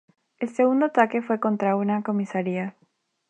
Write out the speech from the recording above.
El segundo ataque fue contra una comisaría.